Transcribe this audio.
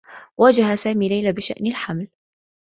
واجه سامي ليلى بشأن الحمل.